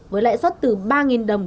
với lãi suất từ ba đồng